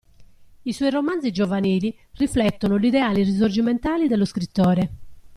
I suoi romanzi giovanili riflettono gli ideali risorgimentali dello scrittore.